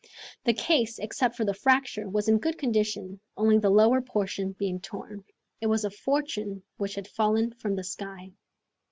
The case, except for the fracture, was in good condition, only the lower portion being torn. It was a fortune which had fallen from the sky.